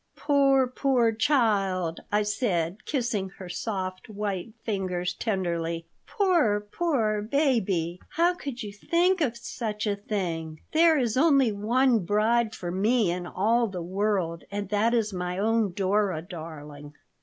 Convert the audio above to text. "Poor, poor child!" I said, kissing her soft white fingers tenderly. "Poor, poor baby! How could you think of such a thing! There is only one bride for me in all the world, and that is my own Dora darling."